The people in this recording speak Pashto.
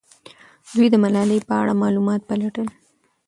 دوی د ملالۍ په اړه معلومات پلټل.